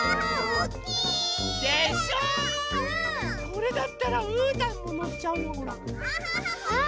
これだったらうーたんものっちゃうよ。